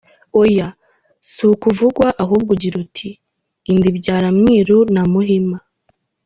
Oya, si uko uvugwa ahubwo ugira uti “Inda ibyara mwiru na muhima”.